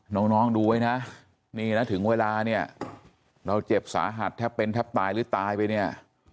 น้องดูไว้นะนี่นะถึงเวลาเนี่ยเราเจ็บสาหัสแทบเป็นแทบตายหรือตายไปเนี่ย